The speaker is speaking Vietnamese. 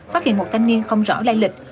phát hiện một thanh niên không rõ lai lịch